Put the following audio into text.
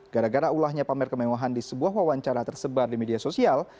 gara gara ulahnya pamer kemewahan di sebuah wawancara tersebar di media sosial